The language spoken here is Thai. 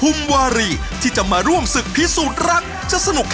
และแน่นอนนะครับเราจะกลับมาสรุปกันต่อนะครับกับรายการสุขที่รักของเรานะครับ